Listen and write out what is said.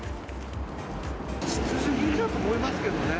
必需品だと思いますけどね。